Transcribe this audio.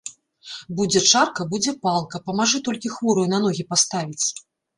Будзе чарка, будзе палка, памажы толькі хворую на ногі паставіць.